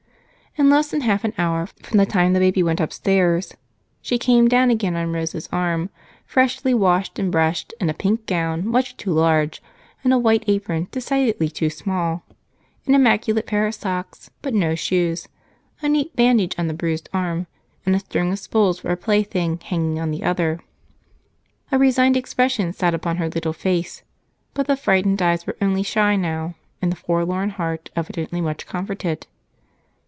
In less than half an hour from the time baby went upstairs, she came down again on Rose's arm, freshly washed and brushed, in a pink gown much too large and a white apron decidedly too small; an immaculate pair of socks, but no shoes; a neat bandage on the bruised arm, and a string of spools for a plaything hanging on the other. A resigned expression sat upon her little face, but the frightened eyes were only shy now, and the forlorn heart evidently much comforted.